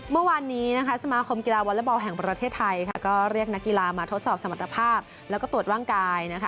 เมื่อวานนี้สมาคมกีฬาวอลเลอร์บอลแห่งประเทศไทยเรียกนักกีฬามาทดสอบสมรรถภาพและตรวจว่างกาย